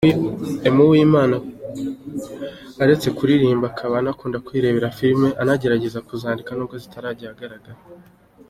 Aime Uwimana uretse kuririmba akaba anakunda kwirebera filime, anagerageza kuzandika n'ubwo zitarajya ahagaragara.